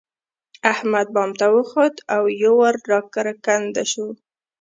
احمد بام ته خوت؛ یو وار را کرکنډه شو.